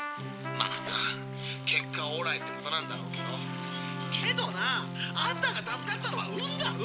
まあな結果オーライってことなんだろうけどけどなぁあんたが助かったのは運だ！